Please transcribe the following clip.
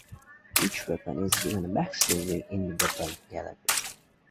Each weapon is given a backstory in the "Weapon Gallery".